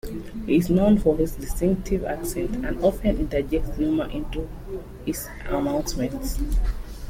He is known for his distinctive accent, and often interjects humour into his announcements.